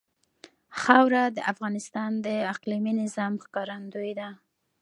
خاوره د افغانستان د اقلیمي نظام ښکارندوی ده.